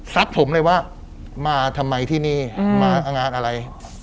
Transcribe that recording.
ผมเลยว่ามาทำไมที่นี่มางานอะไร